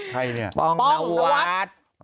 ใครเนี่ยป้องนวัด